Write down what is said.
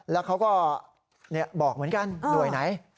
แล้วเขาก็บอกเหมือนกันหน่วยไหน